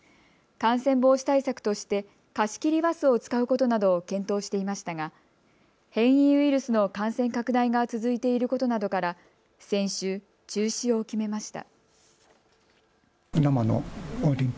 感染防止対策として貸し切りバスを使うことなどを検討していましたが変異ウイルスの感染拡大が続いていることなどから先週、中止を決めました。